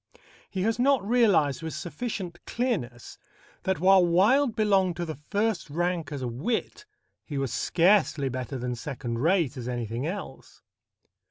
He has not realized with sufficient clearness that, while Wilde belonged to the first rank as a wit, he was scarcely better than second rate as anything else.